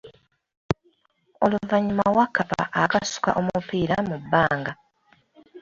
Oluvanyuma Wakkapa akasuka omupiira mu bbanga.